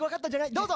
どうぞ！